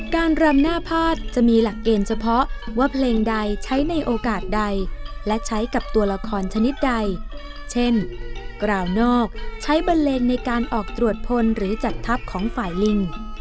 รำหน้าพาดจะมีหลักเกณฑ์เฉพาะว่าเพลงใดใช้ในโอกาสใดและใช้กับตัวละครชนิดใดเช่นกราวนอกใช้บันเลงในการออกตรวจพลหรือจัดทัพของฝ่ายลิง